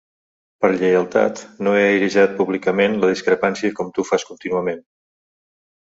Per lleialtat no he airejat públicament la discrepància com tu fas contínuament.